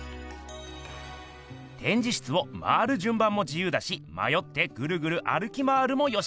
てんじ室を回るじゅん番も自ゆうだしまよってぐるぐる歩き回るもよし。